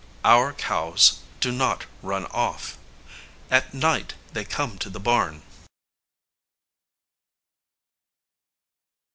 Our cows do not run off. At night they come to the barn.